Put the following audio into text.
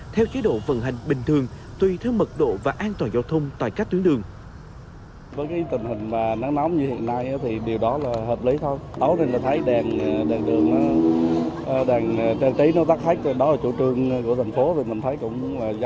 theo chế độ vận hành bình thường tùy theo mật độ và an toàn giao thông tại các tuyến đường